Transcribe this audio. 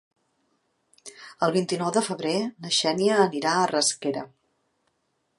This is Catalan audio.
El vint-i-nou de febrer na Xènia anirà a Rasquera.